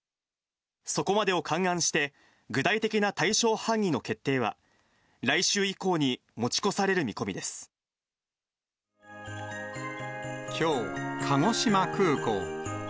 そこまでを勘案して、具体的な対象範囲の決定は、来週以降に持ち越される見込みできょう、鹿児島空港。